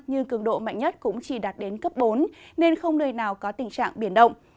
nhưng cường độ mạnh nhất cũng chỉ đạt đến cấp bốn nên không nơi nào có tình trạng biển động